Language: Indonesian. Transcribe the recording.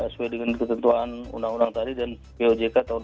seperti ketentuan undang undang tadi dan pojk tahun dua ribu dua puluh dua